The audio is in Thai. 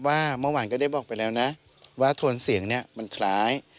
ว่าเมื่อวานก็ได้บอกไปแล้วนะว่าโทนเสียงเนี่ยมันคล้าย